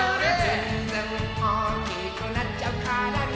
「ずんずんおおきくなっちゃうからね」